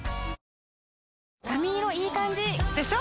髪色いい感じ！でしょ？